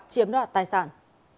chiếm đoạt tài sản